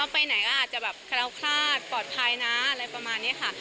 ไหนอาจจะกะเลาคลาดปลอดภัยน้ะอะไรประมาณนี้ค่ะ